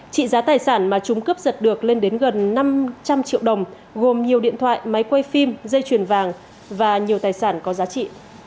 trị giá tài sản mà chúng cướp giật được lên đến gần năm trăm linh triệu đồng gồm nhiều điện thoại máy quay phim dây chuyền vàng và nhiều tài sản có giá trị